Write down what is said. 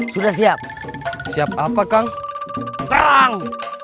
sudah siap siap apa kang perang